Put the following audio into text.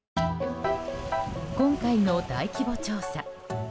今回の大規模調査。